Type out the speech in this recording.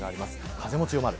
風も強まる。